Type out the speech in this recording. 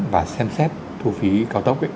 và xem xét thu phí cao tốc